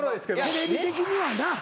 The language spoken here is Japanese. テレビ的にはな。